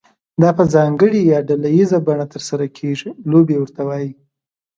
دا په ځانګړې یا ډله ییزه بڼه ترسره کیږي لوبې ورته وایي.